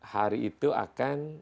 hari itu akan